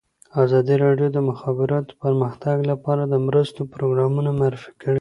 ازادي راډیو د د مخابراتو پرمختګ لپاره د مرستو پروګرامونه معرفي کړي.